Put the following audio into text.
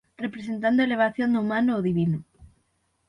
Representando a elevación do humano ó divino.